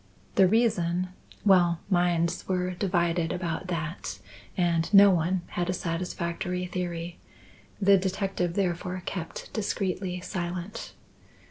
The reason well, minds were divided about that, and no one had a satisfactory theory. The detective therefore kept discreetly silent.